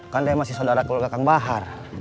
kan dia masih saudara keluarga kang bahar